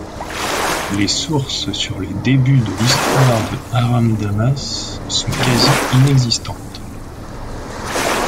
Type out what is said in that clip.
Les sources sur les débuts de l'histoire de Aram-Damas sont quasi inexistantes.